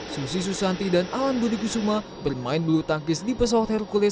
susi susanti dan alan budi kusuma bermain bulu tangkis di pesawat hercules